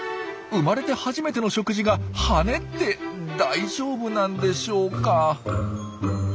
生まれて初めての食事が羽根って大丈夫なんでしょうか。